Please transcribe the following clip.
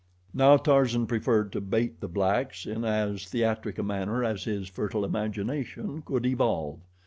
Now Tarzan preferred to bait the blacks in as theatric a manner as his fertile imagination could evolve.